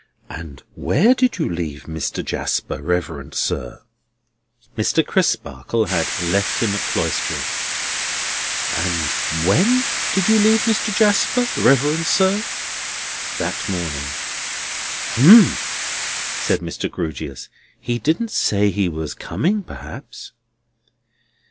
"And where did you leave Mr. Jasper, reverend sir?" Mr. Crisparkle had left him at Cloisterham. "And when did you leave Mr. Jasper, reverend sir?" That morning. "Umps!" said Mr. Grewgious. "He didn't say he was coming, perhaps?"